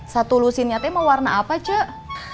satu lusinnya teh mau warna apa cak